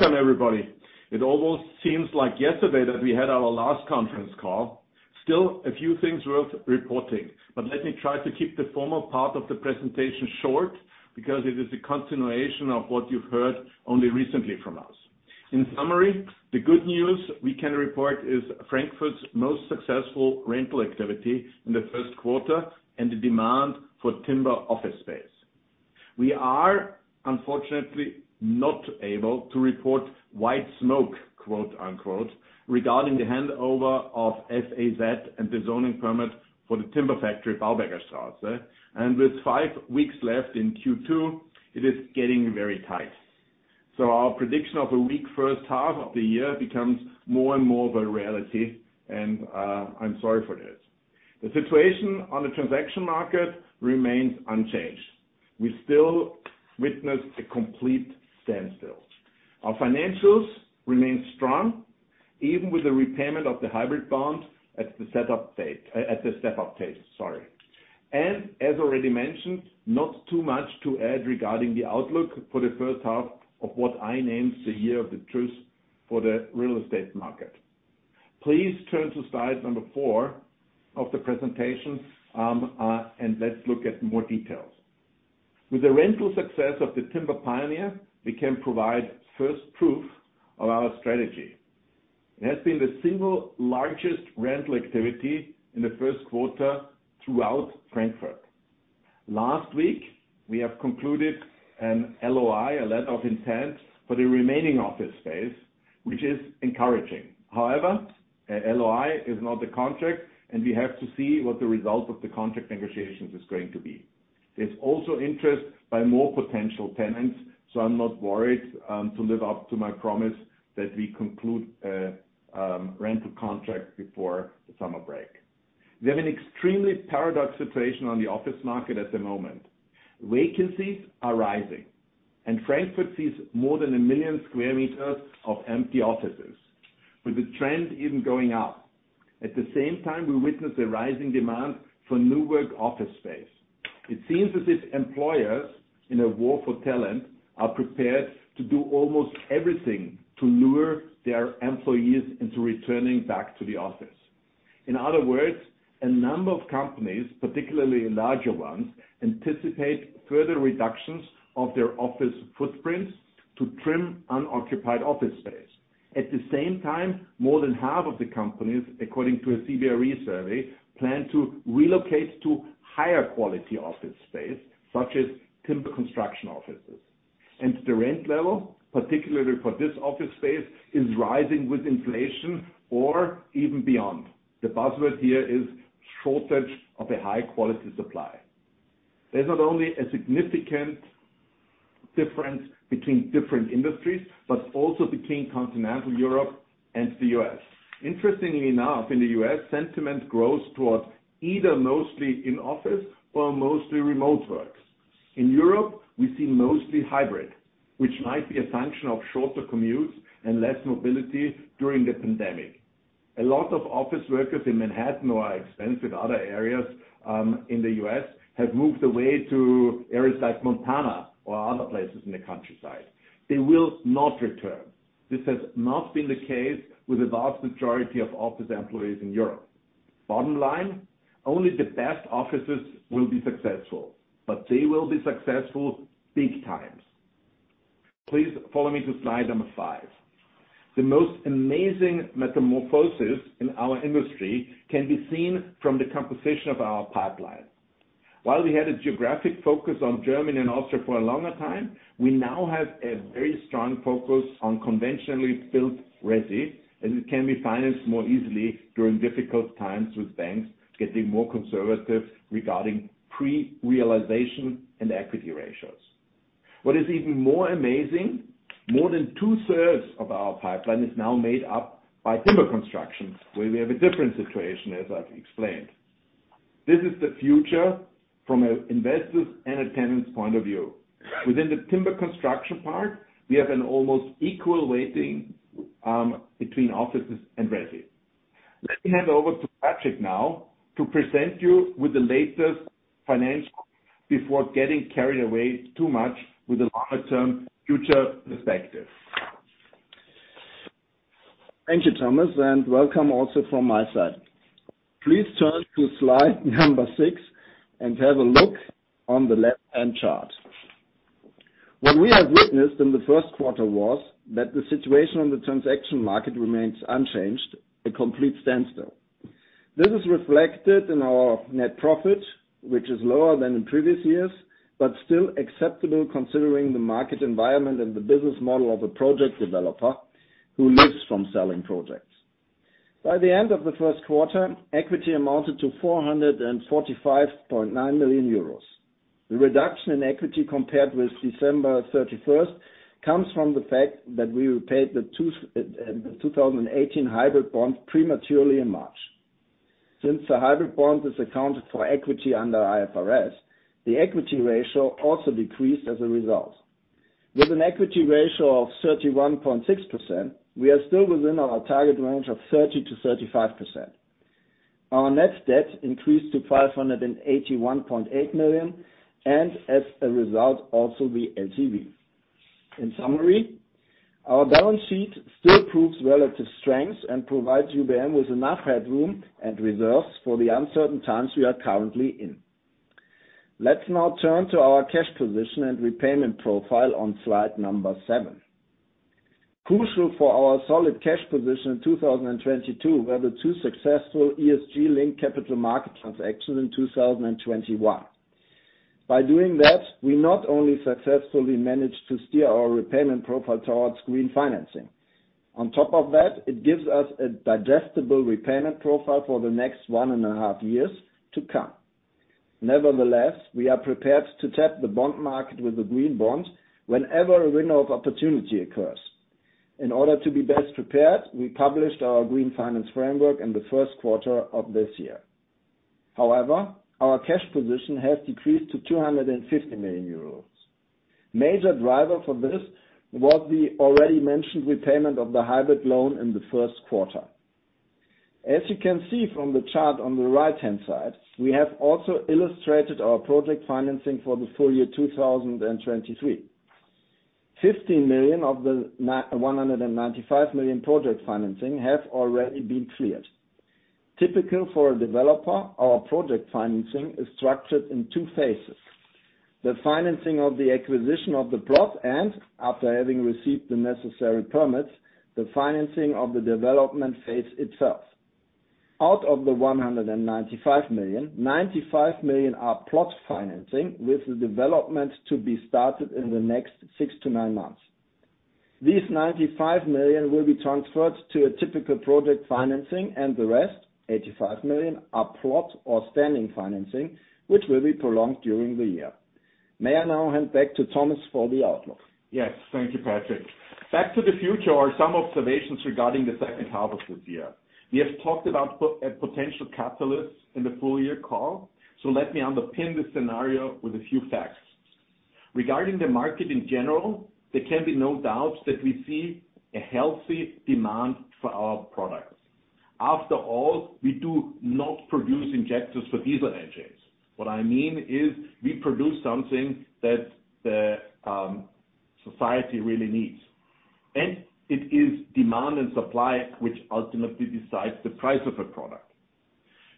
Welcome everybody. It almost seems like yesterday that we had our last conference call. Still a few things worth reporting, but let me try to keep the formal part of the presentation short because it is a continuation of what you've heard only recently from us. In summary, the good news we can report is Frankfurt's most successful rental activity in the first quarter and the demand for timber office space. We are unfortunately not able to report white smoke, quote and unquote, regarding the handover of F.A.Z. and the zoning permit for the timber factory, Baubergerstraße. With 5 weeks left in Q2, it is getting very tight. Our prediction of a weak first half of the year becomes more and more of a reality, and I'm sorry for this. The situation on the transaction market remains unchanged. We still witness a complete standstill. Our financials remain strong, even with the repayment of the hybrid bond at the step up date, sorry. As already mentioned, not too much to add regarding the outlook for the first half of what I named the year of the truth for the real estate market. Please turn to slide number four of the presentation, and let's look at more details. With the rental success of the Timber Pioneer, we can provide first proof of our strategy. It has been the single largest rental activity in the first quarter throughout Frankfurt. Last week, we have concluded an LOI, a letter of intent, for the remaining office space, which is encouraging. However, an LOI is not a contract, and we have to see what the result of the contract negotiations is going to be. There's also interest by more potential tenants, so I'm not worried to live up to my promise that we conclude rental contract before the summer break. We have an extremely paradox situation on the office market at the moment. Vacancies are rising, and Frankfurt sees more than 1 million sq m of empty offices, with the trend even going up. At the same time, we witness a rising demand for new work office space. It seems as if employers in a war for talent are prepared to do almost everything to lure their employees into returning back to the office. In other words, a number of companies, particularly larger ones, anticipate further reductions of their office footprints to trim unoccupied office space. At the same time, more than half of the companies, according to a CBRE survey, plan to relocate to higher quality office space, such as timber construction offices. The rent level, particularly for this office space, is rising with inflation or even beyond. The buzzword here is shortage of a high quality supply. There's not only a significant difference between different industries, but also between continental Europe and the U.S. Interestingly enough, in the U.S., sentiment grows towards either mostly in office or mostly remote works. In Europe, we see mostly hybrid, which might be a function of shorter commutes and less mobility during the pandemic. A lot of office workers in Manhattan or expensive other areas in the U.S. have moved away to areas like Montana or other places in the countryside. They will not return. This has not been the case with the vast majority of office employees in Europe. Bottom line, only the best offices will be successful, but they will be successful big times. Please follow me to slide number five. The most amazing metamorphosis in our industry can be seen from the composition of our pipeline. While we had a geographic focus on Germany and Austria for a longer time, we now have a very strong focus on conventionally built resi, as it can be financed more easily during difficult times with banks getting more conservative regarding pre-realization and equity ratios. What is even more amazing, more than 2/3 of our pipeline is now made up by timber constructions, where we have a different situation, as I've explained. This is the future from an investor's and a tenant's point of view. Within the timber construction part, we have an almost equal weighting, between offices and resi. Let me hand over to Patric now to present you with the latest financial before getting carried away too much with the longer-term future perspective. Thank you, Thomas. Welcome also from my side. Please turn to slide number six and have a look on the left-hand chart. What we have witnessed in the first quarter was that the situation on the transaction market remains unchanged, a complete standstill. This is reflected in our net profit, which is lower than in previous years, but still acceptable considering the market environment and the business model of a project developer who lives from selling projects. By the end of the first quarter, equity amounted to 445.9 million euros. The reduction in equity compared with December 31st comes from the fact that we repaid the 2018 hybrid bond prematurely in March. Since the hybrid bond is accounted for equity under IFRS, the equity ratio also decreased as a result. With an equity ratio of 31.6%, we are still within our target range of 30%-35%. Our net debt increased to 581.8 million. As a result, also the LTV. In summary, our balance sheet still proves relative strength and provides UBM with enough headroom and reserves for the uncertain times we are currently in. Let's now turn to our cash position and repayment profile on slide number seven. Crucial for our solid cash position in 2022 were the two successful ESG linked capital market transactions in 2021. By doing that, we not only successfully managed to steer our repayment profile towards green financing. On top of that, it gives us a digestible repayment profile for the next 1.5 years to come. We are prepared to tap the bond market with the green bond whenever a window of opportunity occurs. In order to be best prepared, we published our Green Finance Framework in the first quarter of this year. However, our cash position has decreased to 250 million euros. Major driver for this was the already mentioned repayment of the hybrid loan in the first quarter. As you can see from the chart on the right-hand side, we have also illustrated our project financing for the full year 2023. 15 million of the 195 million project financing have already been cleared. Typical for a developer, our project financing is structured in two phases. The financing of the acquisition of the plot, and after having received the necessary permits, the financing of the development phase itself. Out of the 195 million, 95 million are plot financing, with the development to be started in the next 6 to 9 months. These 95 million will be transferred to a typical project financing, and the rest, 85 million, are plot or standing financing, which will be prolonged during the year. May I now hand back to Thomas for the outlook? Yes. Thank you, Patric. Back to the future are some observations regarding the second half of this year. We have talked about a potential catalyst in the full year call. Let me underpin the scenario with a few facts. Regarding the market in general, there can be no doubts that we see a healthy demand for our products. After all, we do not produce injectors for diesel engines. What I mean is we produce something that the society really needs. It is demand and supply which ultimately decides the price of a product.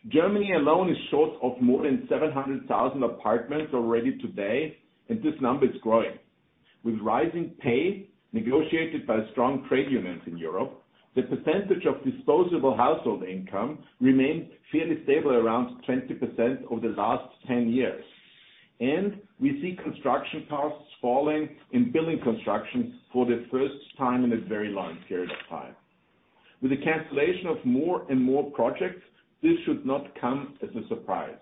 Germany alone is short of more than 700,000 apartments already today. This number is growing. With rising pay negotiated by strong trade unions in Europe, the percentage of disposable household income remains fairly stable around 20% over the last 10 years. We see construction costs falling in building construction for the first time in a very long period of time. With the cancellation of more and more projects, this should not come as a surprise.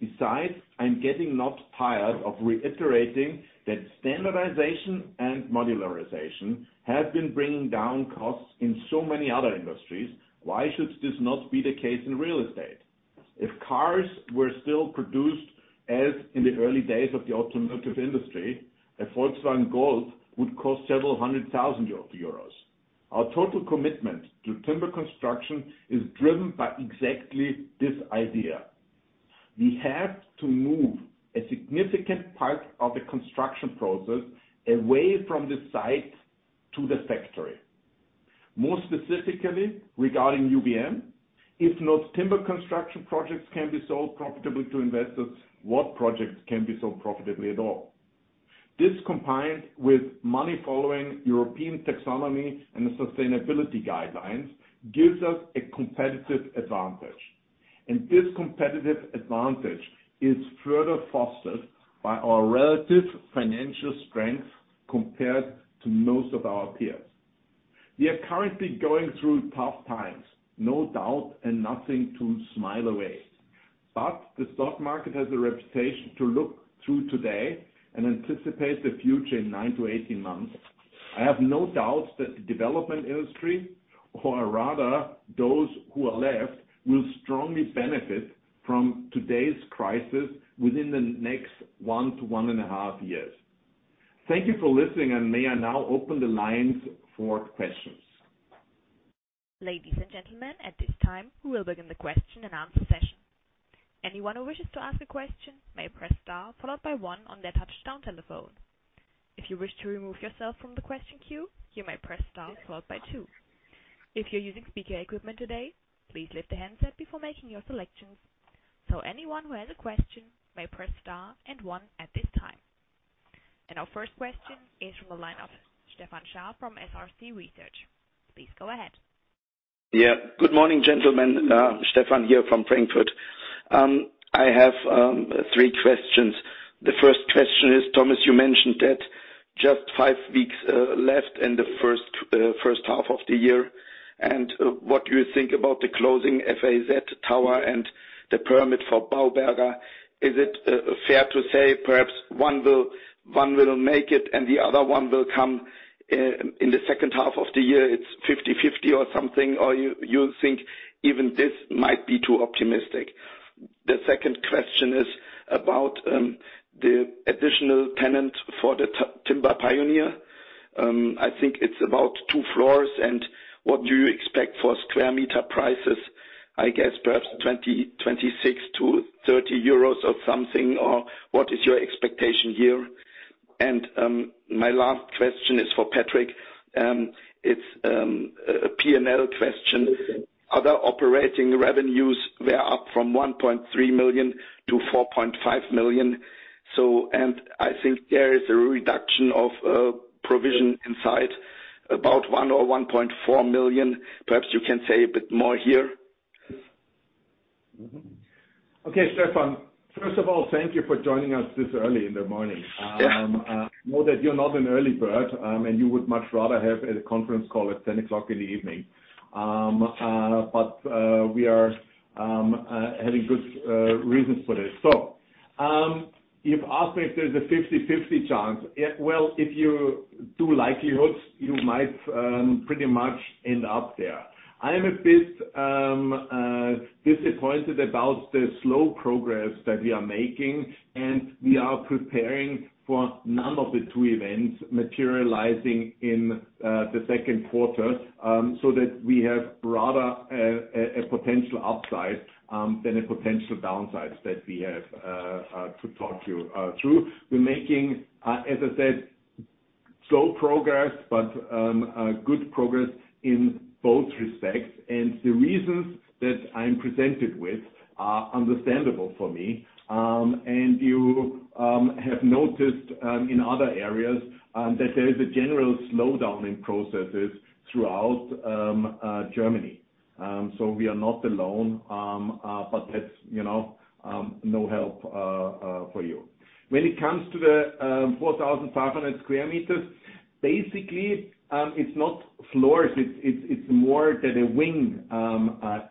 Besides, I'm getting not tired of reiterating that standardization and modularization have been bringing down costs in so many other industries. Why should this not be the case in real estate? If cars were still produced as in the early days of the automotive industry, a Volkswagen Golf would cost several hundred thousand euros. Our total commitment to timber construction is driven by exactly this idea. We have to move a significant part of the construction process away from the site to the factory. More specifically, regarding UBM, if not timber construction projects can be sold profitably to investors, what projects can be sold profitably at all? This, combined with money following European taxonomy and the sustainability guidelines, gives us a competitive advantage. This competitive advantage is further fostered by our relative financial strength compared to most of our peers. We are currently going through tough times, no doubt. Nothing to smile away. The stock market has a reputation to look through today and anticipate the future in 9 to 18 months. I have no doubts that the development industry, or rather those who are left, will strongly benefit from today's crisis within the next 1 to 1.5 years. Thank you for listening. May I now open the lines for questions. Ladies and gentlemen, at this time, we will begin the question and answer session. Anyone who wishes to ask a question may press star followed by one on their touch tone telephone. If you wish to remove yourself from the question queue, you may press star followed by two. If you're using speaker equipment today, please lift the handset before making your selections. Anyone who has a question may press star and one at this time. Our first question is from the line of Stefan Scharff from SRC Research. Please go ahead. Yeah. Good morning, gentlemen. Stefan here from Frankfurt. I have three questions. The first question is, Thomas, you mentioned that just 5 weeks left in the first half of the year, and what do you think about the closing F.A.Z. Tower and the permit for Bauberger? Is it fair to say perhaps one will make it and the other one will come in the second half of the year, it's 50/50 or something? You think even this might be too optimistic? The second question is about the additional tenant for the Timber Pioneer. I think it's about two floors, and what do you expect for square meter prices? I guess perhaps 26-30 euros or something, or what is your expectation here? My last question is for Patric. It's a P&L question. Other operating revenues were up from 1.3 million to 4.5 million. I think there is a reduction of provision in sight, about 1 million or 1.4 million. Perhaps you can say a bit more here. Okay, Stefan. First of all, thank you for joining us this early in the morning. Yeah. I know that you're not an early bird, and you would much rather have a conference call at 10:00 in the evening. We are having good reasons for this. You've asked me if there's a 50/50 chance. Well, if you do likelihoods, you might pretty much end up there. I am a bit disappointed about the slow progress that we are making, and we are preparing for none of the two events materializing in the second quarter, so that we have rather a potential upside than a potential downside that we have to talk you through. We're making, as I said, slow progress, but a good progress in both respects. The reasons that I'm presented with are understandable for me. You have noticed in other areas that there is a general slowdown in processes throughout Germany. We are not alone, but that's, you know, no help for you. When it comes to the 4,500 sq m, basically, it's not floors. It's more that a wing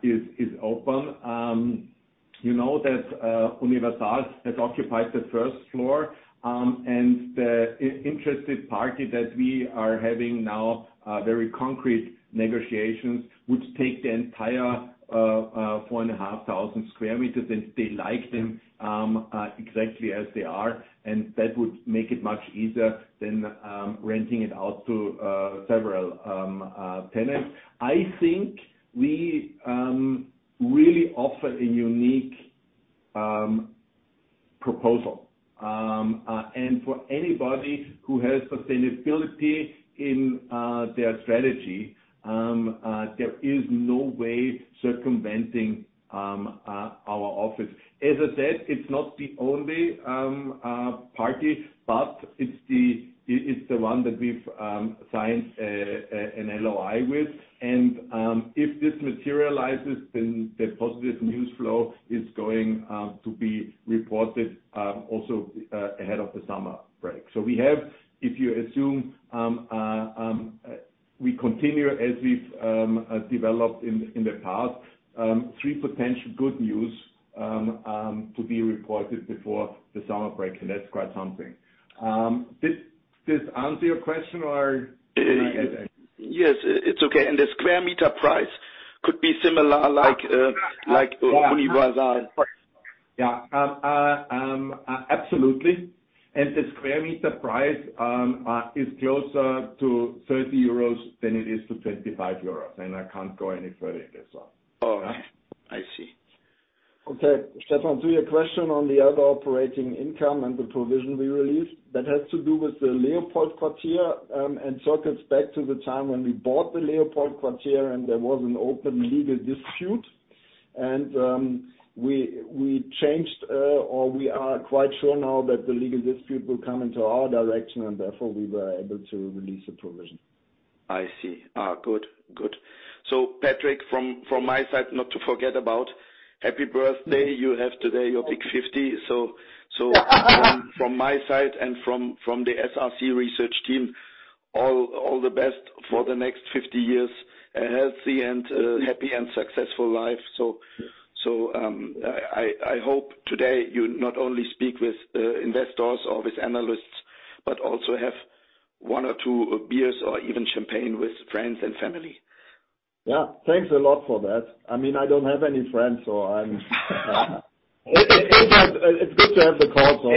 is open. You know that Universal has occupied the first floor, and the interested party that we are having now, very concrete negotiations, would take the entire 4,500 sq m, and they like them exactly as they are, and that would make it much easier than renting it out to several tenants. I think we really offer a unique proposal. For anybody who has sustainability in their strategy, there is no way circumventing our office. As I said, it's not the only party, but it's the one that we've signed an LOI with. If this materializes, then the positive news flow is going to be reported also ahead of the summer break. We have, if you assume, we continue as we've developed in the past, three potential good news to be reported before the summer break, and that's quite something. Did this answer your question or? Yes, it's okay. The square meter price could be similar like universal price. Yeah. absolutely. The square meter price is closer to 30 euros than it is to 25 euros, I can't go any further, I guess so. All right. I see. Okay, Stefan, to your question on the other operating income and the provision we released, that has to do with the LeopoldQuartier, and circuits back to the time when we bought the LeopoldQuartier and there was an open legal dispute. We changed, or we are quite sure now that the legal dispute will come into our direction, and therefore, we were able to release a provision. I see. Good. Good. Patric, from my side, not to forget about, happy birthday. You have today your big 50. From my side and from the SRC Research team, all the best for the next 50 years, a healthy and happy and successful life. I hope today you not only speak with investors or with analysts, but also have one or two beers or even champagne with friends and family. Thanks a lot for that. I mean, I don't have any friends, so I'm- It's good to have the call, so.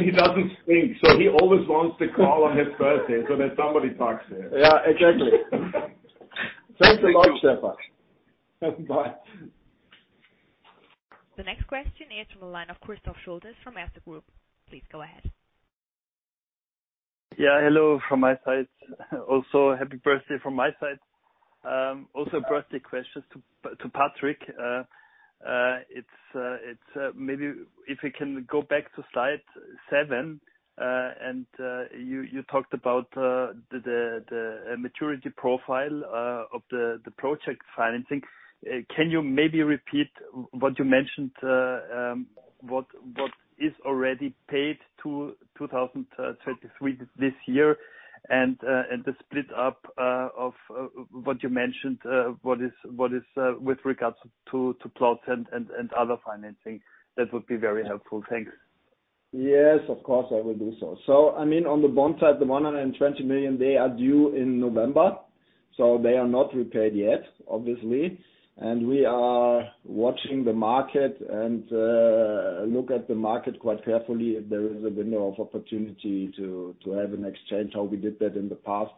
He doesn't drink, so he always wants to call on his birthday so that somebody talks to him. Yeah, exactly. Thanks a lot, Stefan. Bye. The next question is from the line of Christoph Schultes from Erste Group. Please go ahead. Yeah. Hello from my side. Also, happy birthday from my side. Also a birthday question to Patric. It's maybe if you can go back to slide seven and you talked about the maturity profile of the project financing. Can you maybe repeat what you mentioned, what is already paid to 2023 this year and the split up of what you mentioned, what is with regards to plots and other financing? That would be very helpful. Thanks. Yes, of course I will do so. I mean, on the bond side, the 120 million, they are due in November, so they are not repaid yet, obviously. We are watching the market and look at the market quite carefully if there is a window of opportunity to have an exchange, how we did that in the past.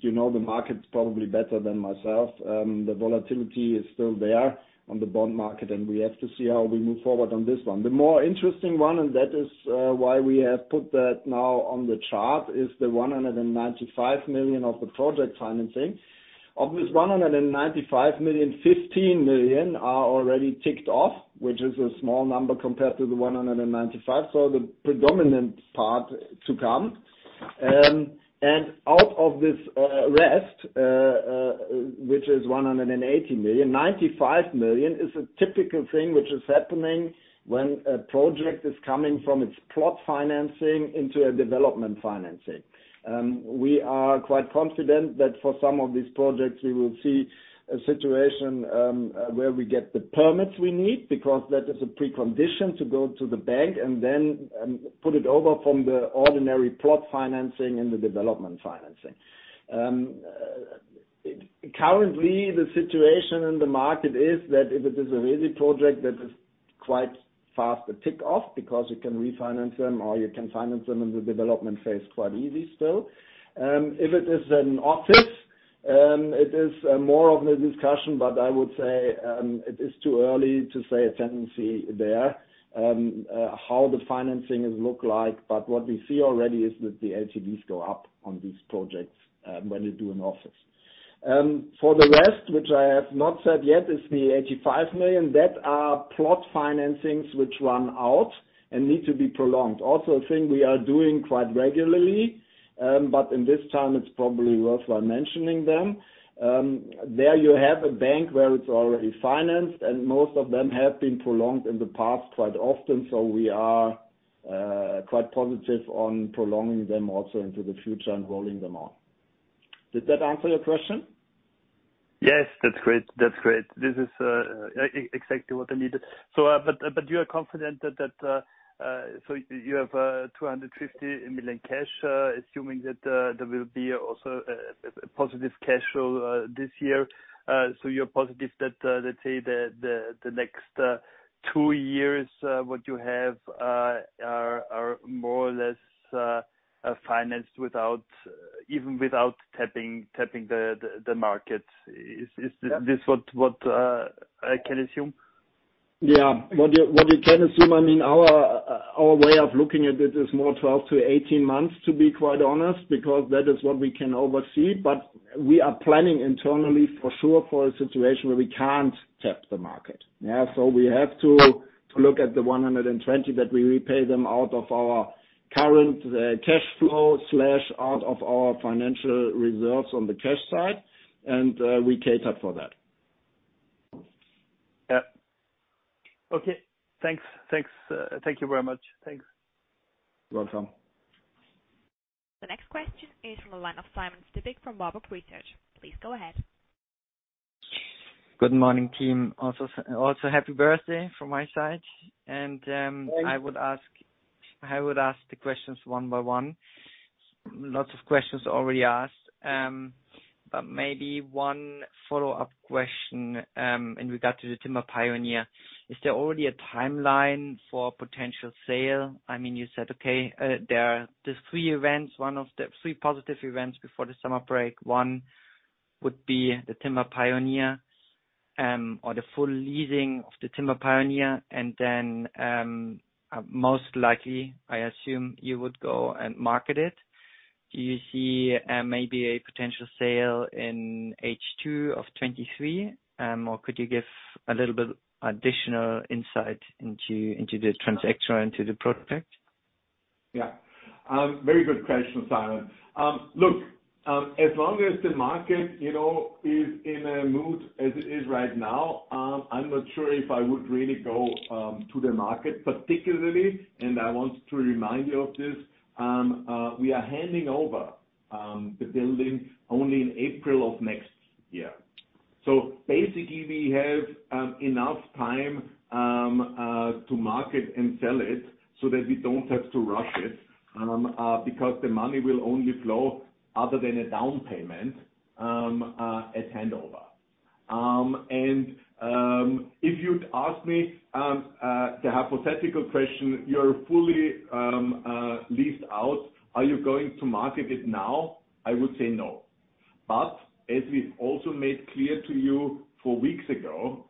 You know the market probably better than myself. The volatility is still there on the bond market, and we have to see how we move forward on this one. The more interesting one, and that is why we have put that now on the chart, is the 195 million of the project financing. Of this 195 million, 15 million are already ticked off, which is a small number compared to the 195 million. The predominant part to come. Out of this rest, which is 180 million, 95 million is a typical thing which is happening when a project is coming from its plot financing into a development financing. We are quite confident that for some of these projects we will see a situation where we get the permits we need because that is a precondition to go to the bank and then put it over from the ordinary plot financing in the development financing. Currently, the situation in the market is that if it is a ready project that is quite fast to tick off because you can refinance them or you can finance them in the development phase quite easy still. If it is an office, it is more of a discussion, but I would say, it is too early to say a tendency there, how the financing look like. What we see already is that the ATVs go up on these projects, when you do an office. For the rest, which I have not said yet, is 85 million. That are plot financings which run out and need to be prolonged. A thing we are doing quite regularly, but in this time it's probably worthwhile mentioning them. There you have a bank where it's already financed, and most of them have been prolonged in the past quite often. We are quite positive on prolonging them also into the future and rolling them out. Did that answer your question? Yes. That's great. This is exactly what I needed. You are confident that, so you have 250 million cash, assuming that there will be also a positive cash flow this year. You're positive that, let's say that the next 2 years, what you have, are more or less financed without, even without tapping the market. Is this what I can assume? Yeah. What you can assume, I mean, our way of looking at it is more 12-18 months, to be quite honest, because that is what we can oversee. We are planning internally for sure, for a situation where we can't tap the market. Yeah. We have to look at the 120, that we repay them out of our current cash flow or out of our financial results on the cash side, and we cater for that. Yeah. Okay, thanks. Thanks. Thank you very much. Thanks. Welcome. The next question is from the line of Simon Stippig from Warburg Research. Please go ahead. Good morning, team. Also, happy birthday from my side. Thank you. I would ask the questions one by one. Lots of questions already asked. Maybe one follow-up question in regard to the Timber Pioneer. Is there already a timeline for potential sale? I mean, you said, okay, there are the three events. One of the three positive events before the summer break. One would be the Timber Pioneer, or the full leasing of the Timber Pioneer. Most likely, I assume you would go and market it. Do you see, maybe a potential sale in H2 of 2023? Could you give a little bit additional insight into the transaction, into the project? Yeah. Very good question, Simon. Look, as long as the market, you know, is in a mood as it is right now, I'm not sure if I would really go to the market particularly. I want to remind you of this. We are handing over the building only in April of next year. Basically we have enough time to market and sell it so that we don't have to rush it because the money will only flow other than a down payment at handover. If you'd ask me, the hypothetical question, you're fully leased out. Are you going to market it now? I would say no. As we've also made clear to you 4 weeks ago,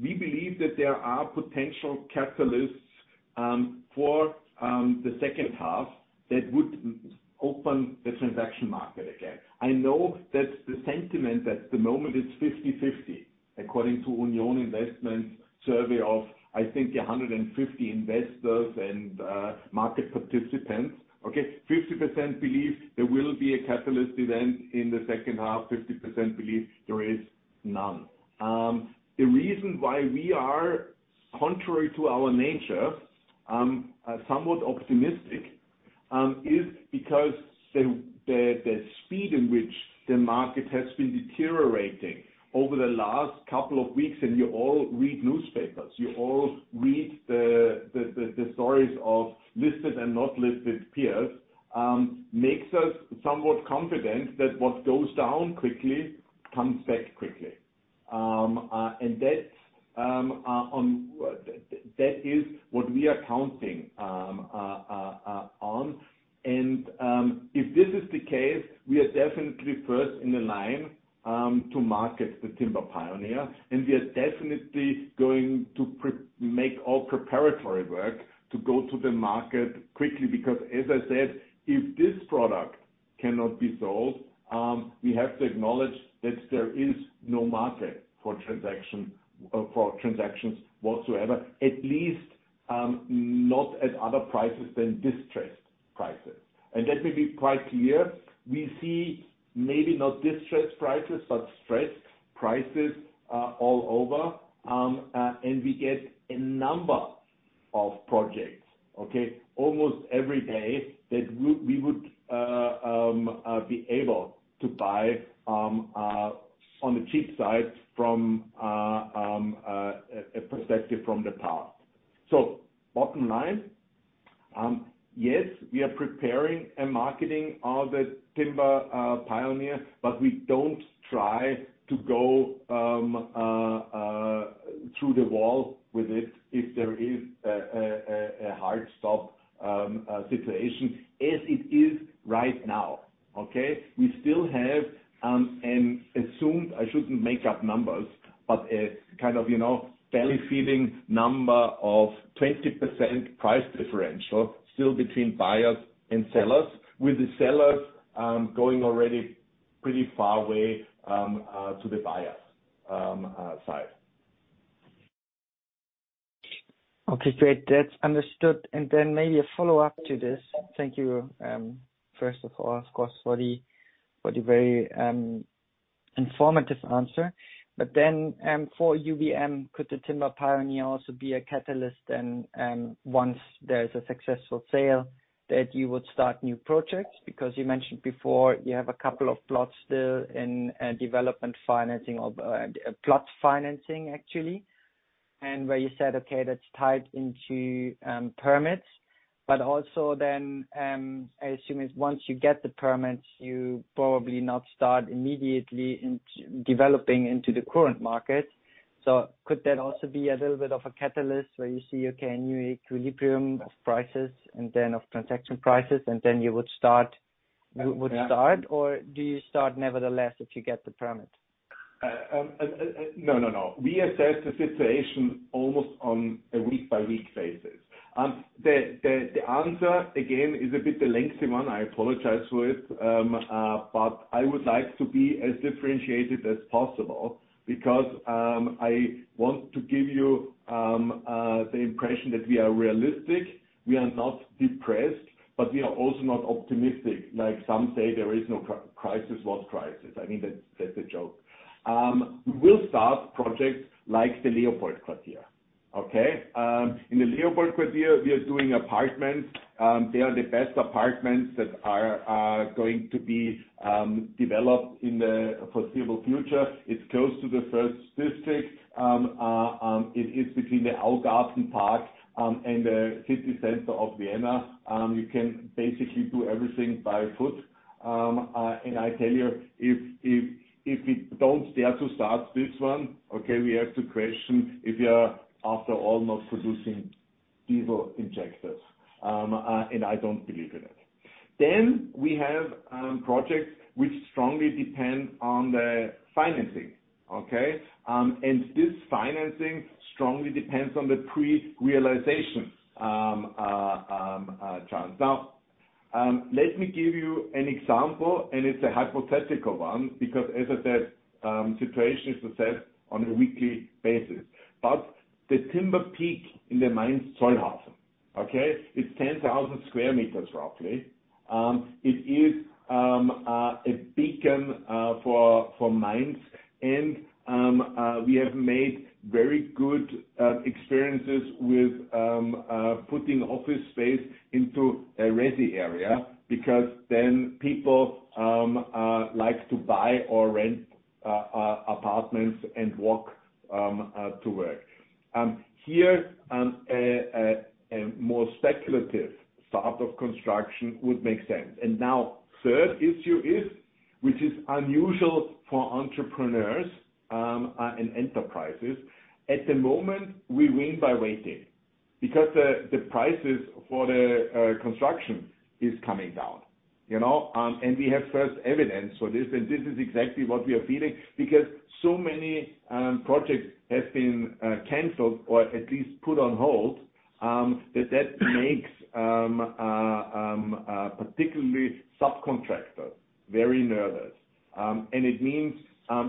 we believe that there are potential catalysts for the second half that would open the transaction market again. I know that the sentiment at the moment is 50/50, according to Union Investment survey of, I think, 150 investors and market participants. Okay. 50% believe there will be a catalyst event in the second half. 50% believe there is none. The reason why we are contrary to our nature, somewhat optimistic, is because the speed in which the market has been deteriorating over the last couple of weeks, and you all read newspapers, you all read the stories of listed and not listed peers, makes us somewhat confident that what goes down quickly comes back quickly. That is what we are counting on. If this is the case, we are definitely first in the line to market the Timber Pioneer, and we are definitely going to make all preparatory work to go to the market quickly, because as I said, if this product cannot be sold, we have to acknowledge that there is no market for transactions whatsoever, at least, not at other prices than distressed prices. Let me be quite clear. We see maybe not distressed prices, but stressed prices all over. We get a number of projects almost every day that we would be able to buy on the cheap side from a perspective from the past. Bottom line, yes, we are preparing and marketing the Timber Pioneer, but we don't try to go through the wall with it if there is a hard stop situation as it is right now. We still have an assumed... I shouldn't make up numbers, but a kind of, you know, belly feeling number of 20% price differential still between buyers and sellers, with the sellers going already pretty far away to the buyer side. Okay, great. That's understood. Maybe a follow-up to this. Thank you, first of all, of course, for the very, informative answer. For UBM, could the Timber Pioneer also be a catalyst and, once there's a successful sale that you would start new projects? You mentioned before you have a couple of plots still in development financing of plot financing actually, and where you said, okay, that's tied into permits, but also then, I assume once you get the permits, you probably not start immediately developing into the current market. Could that also be a little bit of a catalyst where you see, okay, a new equilibrium of prices and then of transaction prices, and then you would start- Yeah. You would start, or do you start nevertheless if you get the permit? No, no. We assess the situation almost on a week-by-week basis. The answer again is a bit a lengthy one. I apologize for it. I would like to be as differentiated as possible because I want to give you the impression that we are realistic. We are not depressed, but we are also not optimistic, like some say there is no crisis. What crisis? I mean, that's a joke. We'll start projects like the LeopoldQuartier, okay? In the LeopoldQuartier, we are doing apartments. They are the best apartments that are going to be developed in the foreseeable future. It's close to the first district. It is between the Augarten Park and the city center of Vienna. You can basically do everything by foot. I tell you, if, if we don't dare to start this one, okay, we have to question if we are after almost producing diesel injectors. I don't believe in it. We have projects which strongly depend on the financing, okay? This financing strongly depends on the pre-realization chance. Let me give you an example, and it's a hypothetical one, because as I said, situation is assessed on a weekly basis. The Timber Peak in the Mainz Zollhafen, okay, it's 10,000 sq m roughly. It is a beacon for Mainz. We have made very good experiences with putting office space into a resi area because then people like to buy or rent apartments and walk to work. Here, a more speculative start of construction would make sense. Now third issue is, which is unusual for entrepreneurs and enterprises. At the moment, we win by waiting because the prices for the construction is coming down, you know, and we have first evidence for this, and this is exactly what we are feeling because so many projects have been canceled or at least put on hold that makes particularly subcontractors very nervous. It means,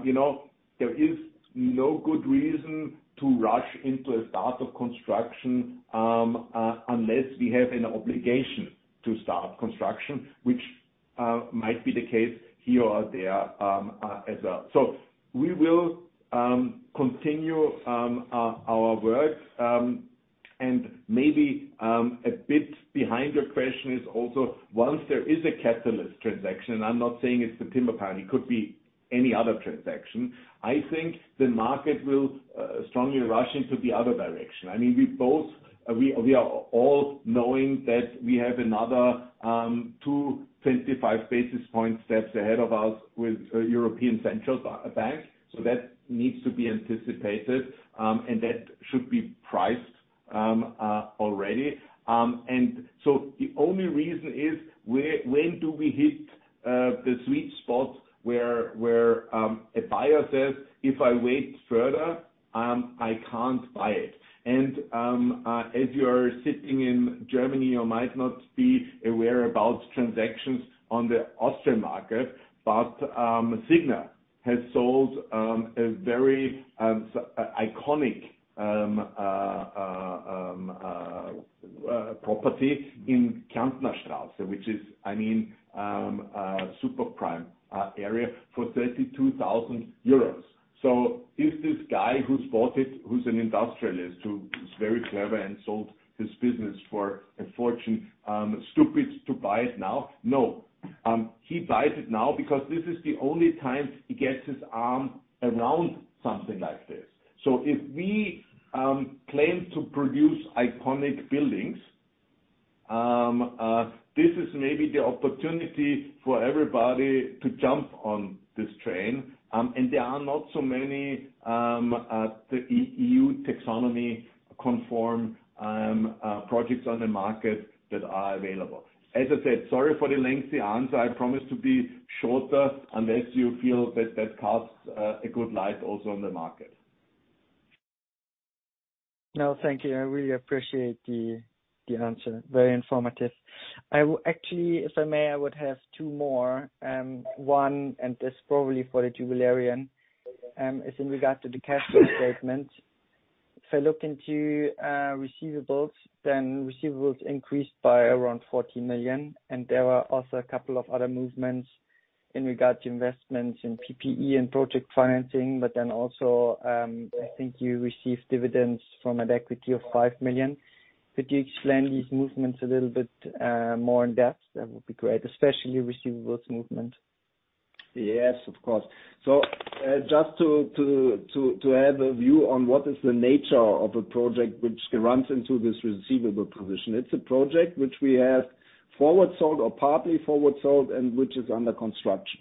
you know, there is no good reason to rush into a start of construction, unless we have an obligation to start construction, which might be the case here or there as well. We will continue our work. Maybe a bit behind your question is also once there is a catalyst transaction, I'm not saying it's the Timber Pioneer, it could be any other transaction. I think the market will strongly rush into the other direction. I mean, we both, we are all knowing that we have another 25 basis point steps ahead of us with European Central Bank. That needs to be anticipated, and that should be priced already. The only reason is where, when do we hit the sweet spot where a buyer says, "If I wait further, I can't buy it." If you're sitting in Germany, you might not be aware about transactions on the Austrian market, but Signa has sold a very iconic property in Kärntner Straße, which is, I mean, a super prime area for 32,000 euros. Is this guy who's bought it, who's an industrialist, who is very clever and sold his business for a fortune, stupid to buy it now? No. He buys it now because this is the only time he gets his arm around something like this. If we claim to produce iconic buildings, this is maybe the opportunity for everybody to jump on this train. There are not so many EU taxonomy conform projects on the market that are available. As I said, sorry for the lengthy answer. I promise to be shorter, unless you feel that that casts a good light also on the market. No, thank you. I really appreciate the answer. Very informative. Actually, if I may, I would have two more. One, and this is probably for the jubilarian, is in regard to the cash flow statement. If I look into receivables, then receivables increased by around 40 million, and there are also a couple of other movements in regards to investments in PPE and project financing. Also, I think you received dividends from an equity of 5 million. Could you explain these movements a little bit more in depth? That would be great, especially receivables movement. Yes, of course. Just to have a view on what is the nature of a project which runs into this receivable position. It's a project which we have forward sold or partly forward sold and which is under construction.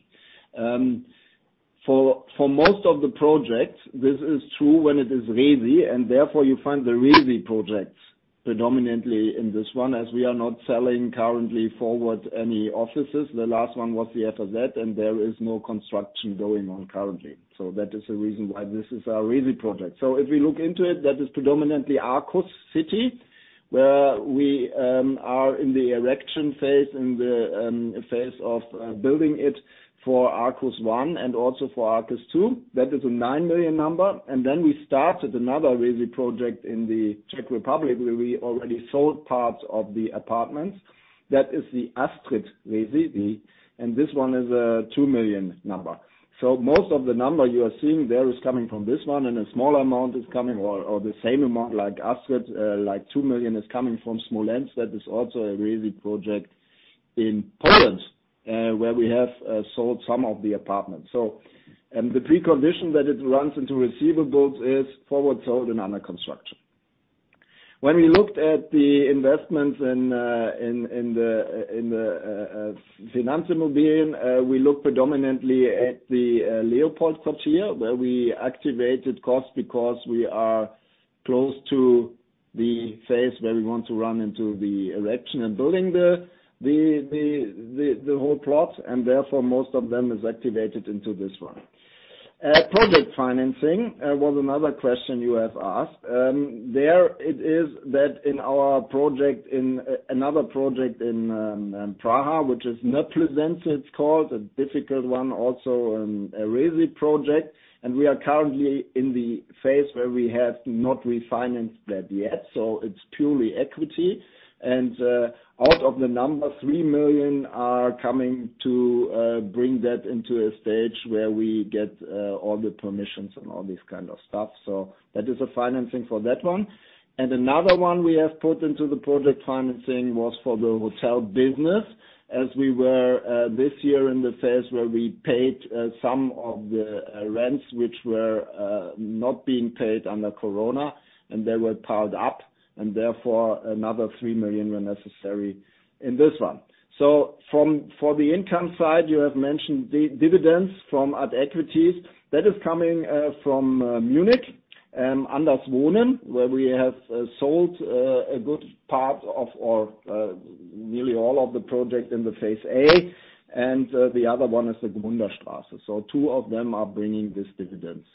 For most of the projects, this is true when it is resi, and therefore you find the resi projects predominantly in this one, as we are not selling currently forward any offices. The last one was the F.A.Z., and there is no construction going on currently. That is the reason why this is our resi project. If we look into it, that is predominantly Arcus City, where we are in the erection phase, in the phase of building it for Arcus I and also for Arcus II. That is a 9 million number. We started another resi project in the Czech Republic, where we already sold parts of the apartments. That is the Astrid resi, and this one is a 2 million number. Most of the number you are seeing there is coming from this one, and a small amount is coming, or the same amount like Astrid, like 2 million is coming from Smoleńsk. That is also a resi project in Poland, where we have sold some of the apartments. The precondition that it runs into receivables is forward sold and under construction. When we looked at the investments in the, in the, finanzmobilien, we look predominantly at the LeopoldQuartier, where we activated costs because we are close to the phase where we want to run into the erection and building the whole plot, and therefore most of them is activated into this one. Project financing was another question you have asked. There it is that in our project, in another project in Prague, which is Rezidence Na Plzeňce it's called, a difficult one also, a resi project. We are currently in the phase where we have not refinanced that yet. So it's purely equity. Out of the number, 3 million are coming to bring that into a stage where we get all the permissions and all this kind of stuff. That is a financing for that one. Another one we have put into the project financing was for the hotel business as we were this year in the phase where we paid some of the rents which were not being paid under Corona, and they were piled up, and therefore another 3 million were necessary in this one. From for the income side, you have mentioned dividends from at equities. That is coming from Munich, Anders Wohnen, where we have sold a good part of or nearly all of the project in the phase A. The other one is the Gmundner Straße. Two of them are bringing this dividends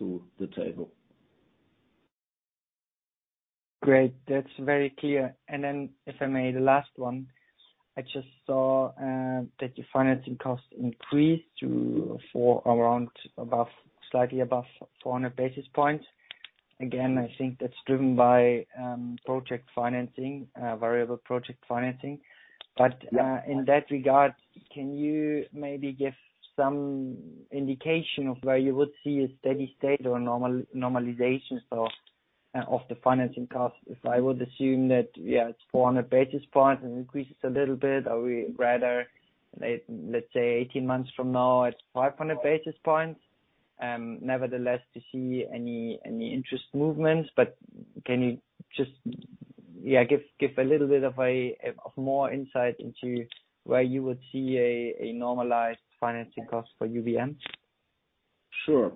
to the table. Great. That's very clear. Then if I may, the last one. I just saw that your financing cost increased to four around above, slightly above 400 basis points. Again, I think that's driven by project financing, variable project financing. In that regard, can you maybe give some indication of where you would see a steady state or normalization of the financing costs? If I would assume that, yeah, it's 400 basis points and increases a little bit. Are we rather, let's say 18 months from now it's 500 basis points? Nevertheless to see any interest movements, but can you just, yeah, give a little bit of more insight into where you would see a normalized financing cost for UBM? Sure.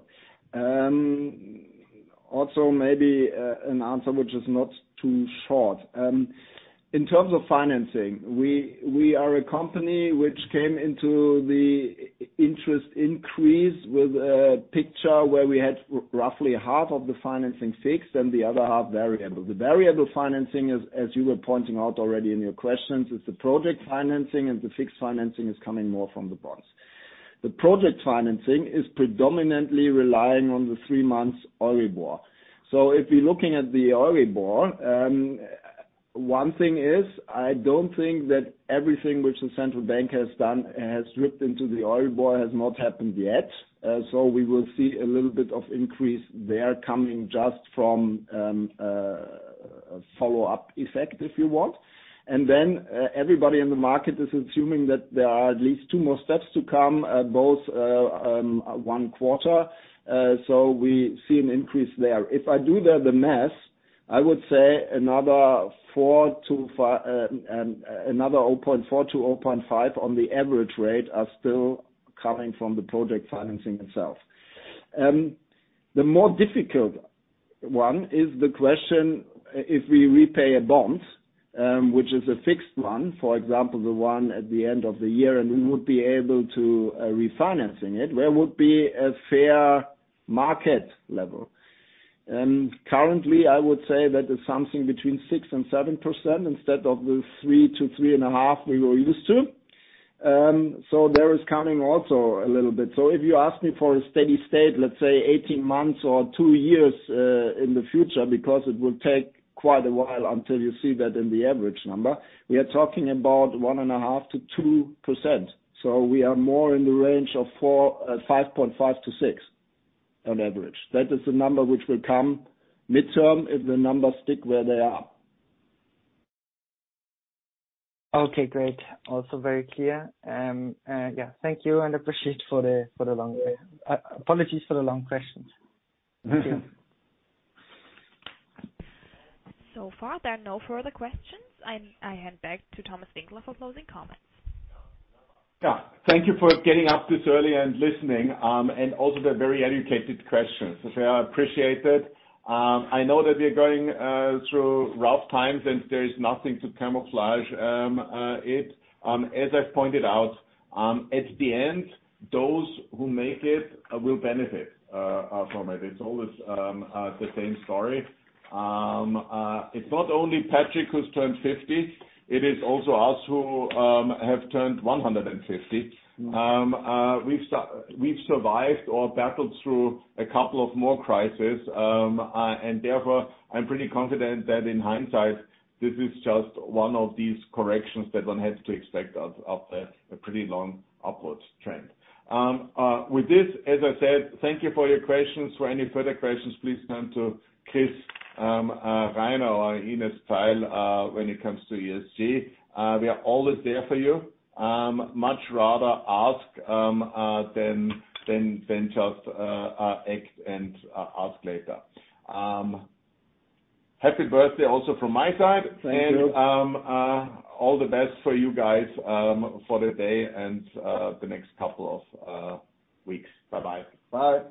Also maybe an answer which is not too short. In terms of financing, we are a company which came into the interest increase with a picture where we had roughly half of the financing fixed, and the other half variable. The variable financing as you were pointing out already in your questions, is the project financing and the fixed financing is coming more from the bonds. The project financing is predominantly relying on the 3 months Euribor. If you're looking at the Euribor, one thing is I don't think that everything which the central bank has done has ripped into the Euribor has not happened yet. We will see a little bit of increase there coming just from a follow-up effect, if you want. Everybody in the market is assuming that there are at least two more steps to come, both, one quarter. We see an increase there. If I do the math, I would say another 0.4%-0.5% on the average rate are still coming from the project financing itself. The more difficult one is the question, if we repay a bond, which is a fixed one, for example, the one at the end of the year, and we would be able to refinancing it, where would be a fair market level? Currently, I would say that it's something between 6% and 7% instead of the 3%-3.5% we were used to. There is coming also a little bit. If you ask me for a steady state, let's say 18 months or 2 years in the future, because it will take quite a while until you see that in the average number, we are talking about 1.5%-2%. We are more in the range of 4%, 5.5%-6% on average. That is the number which will come midterm if the numbers stick where they are. Okay, great. Also very clear. Yeah, thank you and appreciate... Apologies for the long questions. So far, there are no further questions. I hand back to Thomas Winkler for closing comments. Yeah. Thank you for getting up this early and listening, and also the very educated questions. Yeah, I appreciate it. I know that we are going through rough times and there is nothing to camouflage it. As I pointed out, at the end, those who make it will benefit from it. It's always the same story. It's not only Patric who's turned 50, it is also us who have turned 150. We've survived or battled through a couple of more crises, and therefore, I'm pretty confident that in hindsight, this is just one of these corrections that one has to expect of a pretty long upwards trend. With this, as I said, thank you for your questions. For any further questions, please turn to Chris Rainer or Ines Pfeil, when it comes to ESG. We are always there for you. Much rather ask than just act and ask later. Happy birthday also from my side. Thank you. All the best for you guys, for the day and, the next couple of, weeks. Bye-bye. Bye.